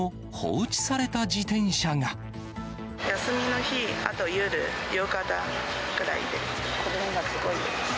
休みの日、あと夜、夕方ぐらいで、この辺はすごい。